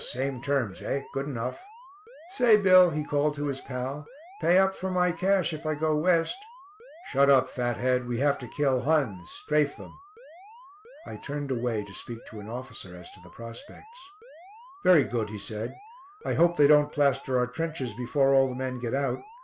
Same terms, eh? Good enough." "Say Bill," he called to his pal, "pay up from my cash if I 'go West.'" "Shut up, fathead; we have to kill Huns, 'strafe' them." I turned away to speak to an officer as to the prospects. "Very good," he said. "I hope they don't plaster our trenches before all the men get out.